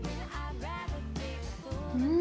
うん。